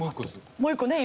もう１個ね今。